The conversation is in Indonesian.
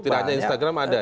tidak hanya instagram ada